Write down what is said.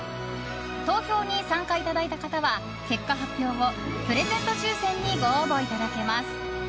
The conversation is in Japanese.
投票に参加いただいた方は結果発表後プレゼント抽選にご応募いただけます。